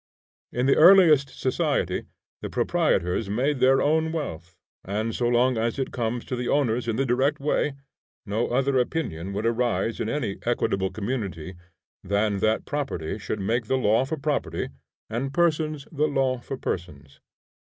In the earliest society the proprietors made their own wealth, and so long as it comes to the owners in the direct way, no other opinion would arise in any equitable community than that property should make the law for property, and persons the law for persons.